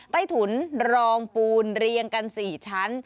ใต้ถุนรองปูนเรียงกัน๔ชั้น